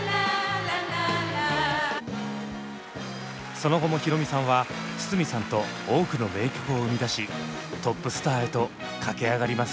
その後も宏美さんは筒美さんと多くの名曲を生み出しトップスターへと駆け上がります。